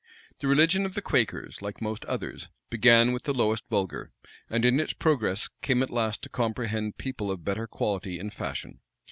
The religion of the Quakers, like most others, began with the lowest vulgar, and, in its progress, came at last to comprehend people of better quality and fashion.